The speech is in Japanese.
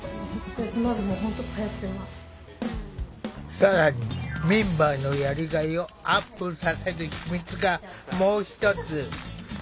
更にメンバーのやりがいをアップさせる秘密がもう一つ。